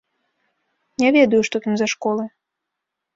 Не ведаю, што там за школы.